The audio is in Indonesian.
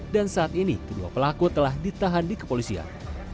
dan saat ini kedua pelaku telah ditahan di kepolisian